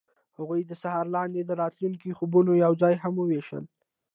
هغوی د سهار لاندې د راتلونکي خوبونه یوځای هم وویشل.